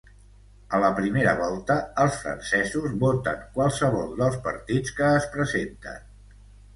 A la primera volta, els francesos voten qualsevol dels partits que es presenten.